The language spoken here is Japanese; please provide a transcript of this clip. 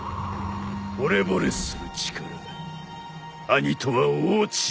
ほれぼれする力兄とは大違いだ。